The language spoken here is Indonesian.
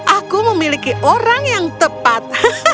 aku memiliki orang yang tepat